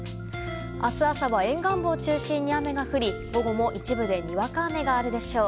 明日朝は沿岸部を中心に雨が降り午後も一部でにわか雨があるでしょう。